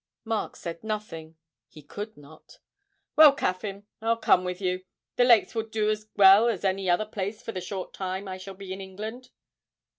Mark said nothing he could not. 'Well, Caffyn, I'll come with you; the Lakes will do as well as any other place for the short time I shall be in England.'